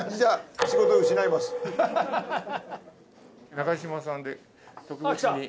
長嶋さんで特別に。